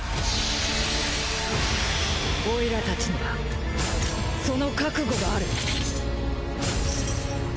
オイラたちにはその覚悟がある。